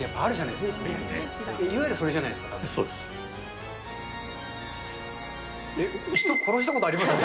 いわゆるそれじゃないですか、たぶん。